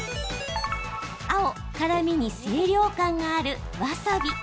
青・辛みに清涼感がある、わさび。